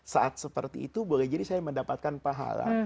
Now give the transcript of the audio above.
saat seperti itu boleh jadi saya mendapatkan pahala